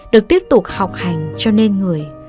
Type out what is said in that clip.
được tiếp tục học hành cho nên người